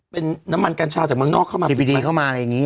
เป็นน้ำมันกัญชาจากไม่นอกเข้ามา